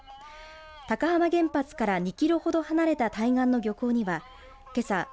高浜原発から２キロほど離れた対岸の漁港にはけさ